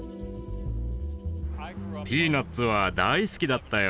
「ピーナッツ」は大好きだったよ。